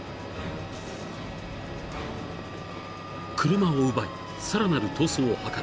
［車を奪いさらなる逃走を図る］